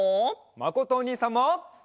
まことおにいさんも！